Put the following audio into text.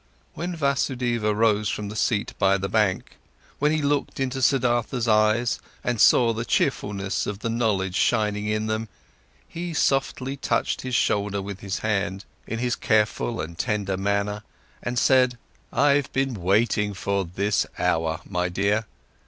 When Vasudeva rose from the seat by the bank, when he looked into Siddhartha's eyes and saw the cheerfulness of the knowledge shining in them, he softly touched his shoulder with his hand, in this careful and tender manner, and said: "I've been waiting for this hour, my dear.